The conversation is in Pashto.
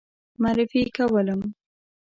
معرفي کولم.